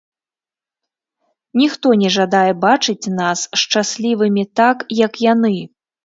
Ніхто не жадае бачыць нас шчаслівымі так, як яны.